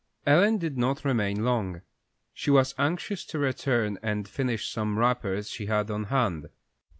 Ellen did not remain long. She was anxious to return and finish some wrappers she had on hand.